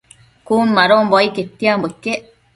Cun madonbo ai quetianbo iquec